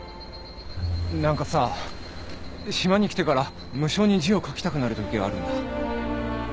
何かさ島に来てから無性に字を書きたくなるときがあるんだ。